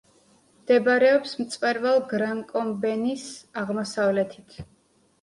მდებარეობს მწვერვალ გრან-კომბენის აღმოსავლეთით.